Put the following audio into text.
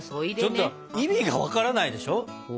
ちょっと意味が分からないでしょ？